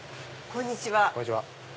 こんにちは。